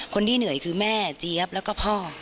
คนที่เหนื่อยคือแม่เจี๊ยบแล้วก็พ่อ